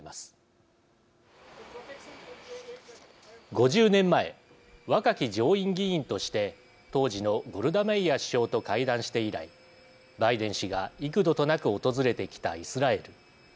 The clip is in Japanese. ５０年前若き上院議員として当時のゴルダメイア首相と会談して以来バイデン氏が幾度となく訪れてきたイスラエル。